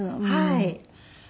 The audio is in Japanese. はい。